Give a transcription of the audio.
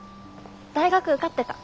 大学受かってた。